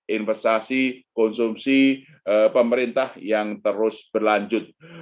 investasi konsumsi pemerintah yang terus berlanjut